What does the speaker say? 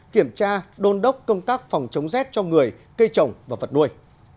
kiểm tra đôn đốc công tác phòng chống rét cho người cây trồng và vật nuôi